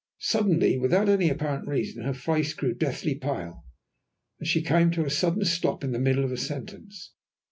Suddenly, without any apparent reason, her face grew deathly pale, and she came to a sudden stop in the middle of a sentence.